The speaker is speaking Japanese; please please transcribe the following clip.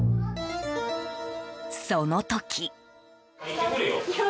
その時。